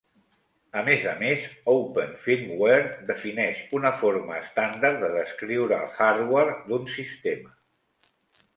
A més a més, Open Firmware defineix una forma estàndard de descriure el hardware d'un sistema.